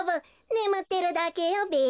ねむってるだけよべ。